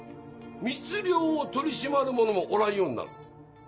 密漁を取り締まる者もおらんようになる。